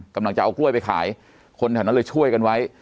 กำลังจะเอากล้วยไปขายคนอื่นช่วยกันไว้